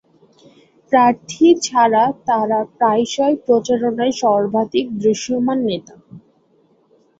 প্রার্থী ছাড়া তারা প্রায়শই প্রচারণার সর্বাধিক দৃশ্যমান নেতা।